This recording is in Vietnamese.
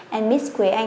và cô quỳ anh